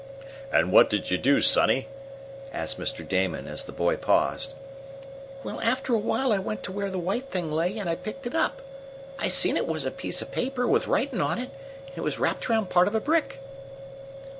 "And what did you do, Sonny?" asked Mr. Damon, as the boy paused. "Well, after a while I went to where the white thing lay, and I picked it up. I seen it was a piece of paper, with writin' on it, and it was wrapped around part of a brick."